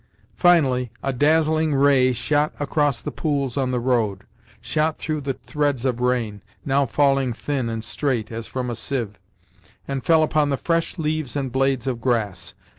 Finally, a dazzling ray shot across the pools on the road, shot through the threads of rain—now falling thin and straight, as from a sieve—, and fell upon the fresh leaves and blades of grass.